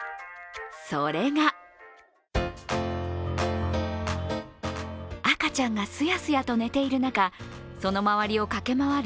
それが赤ちゃんがスヤスヤと寝ている中、その周りを駆け回る